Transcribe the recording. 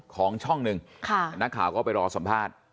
ของช่องหนึ่งนักข่าวก็ไปรอสัมภาษณ์